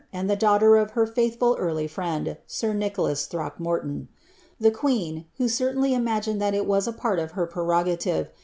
and the dau of iter faithful early friend, sir Nicholas Throckmorton. The q who certainly imagined that it was a pari of her preroijative.